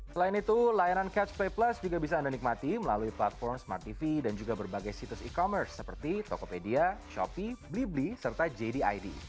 selain itu layanan catch play plus juga bisa anda nikmati melalui platform smart tv dan juga berbagai situs e commerce seperti tokopedia shopee blibli serta jdid